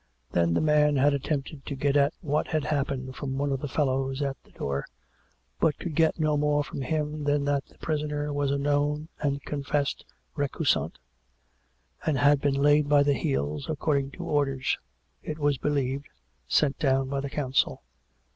Then the man had attempted to get at what had happened from one of the fellows at the door, but could get no more from him than that the prisoner was a known and confessed recusant, and had been laid by the heels according to orders, it was believed, sent down by the Council.